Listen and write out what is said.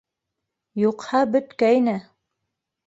Юҡһа бөткәйне.